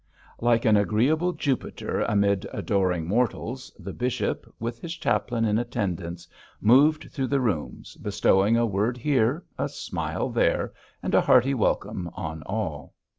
Like an agreeable Jupiter amid adoring mortals, the bishop, with his chaplain in attendance, moved through the rooms, bestowing a word here, a smile there, and a hearty welcome on all.